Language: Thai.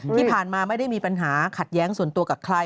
ที่ผ่านมาไม่ได้มีปัญหาขัดแย้งส่วนตัวกับใคร